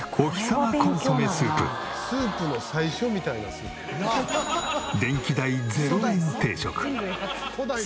スープの最初みたいなスープ。